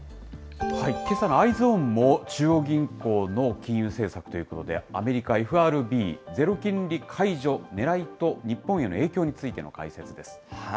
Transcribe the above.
けさのＥｙｅｓｏｎも、中央銀行の金融政策ということで、アメリカ、ＦＲＢゼロ金利解除狙いと日本への影響についての解説です。